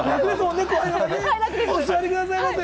お座りくださいませ。